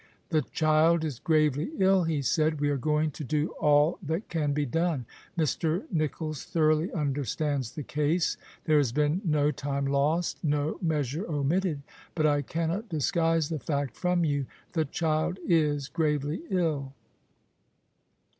"The child is gravely ill," he said. "We are going to do all that can be done. ]\Ir. Nicholls thoroughly understands the case. There has been no time lost, no measure omitted. But I cannot disguise the fact from you — the child is gravely ill."